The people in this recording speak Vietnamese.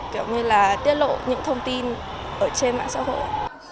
kiểu như là tiết lộ những thông tin ở trên mạng xã hội